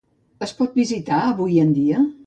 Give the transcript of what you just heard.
Es pot visitar avui en dia?